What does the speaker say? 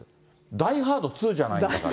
ダイハード２じゃないんだから。